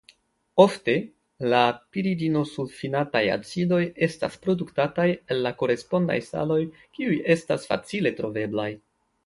Ofte la piridinosulfinataj acidoj estas produktataj el la korespondaj saloj kiuj estas facile troveblaj.